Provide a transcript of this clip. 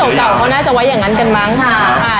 เก่าเขาน่าจะไว้อย่างนั้นกันมั้งค่ะ